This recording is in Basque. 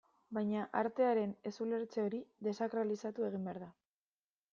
Baina, artearen ez-ulertze hori desakralizatu egin behar da.